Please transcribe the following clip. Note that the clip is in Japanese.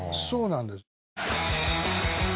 そうなんです。